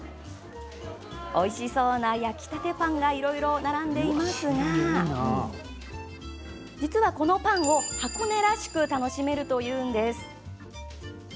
おいしそうな焼きたてパンがいろいろ並んでいますが実は、このパンを箱根らしく楽しめるというんです。